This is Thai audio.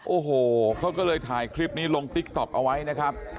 โอ้โหเขาก็เลยถ่ายคลิปนี้ลงติ๊กต๊อกเอาไว้นะครับ